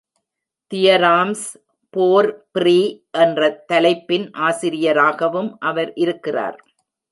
Theorems for Free என்ற தலைப்பின் ஆசிரியராகவும் அவர் இருக்கிறார்!